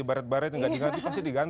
baret baret nggak diganti pasti diganti